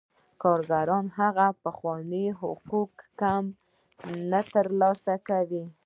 کارګران هماغه پخواني حقوق یا کم ترلاسه کوي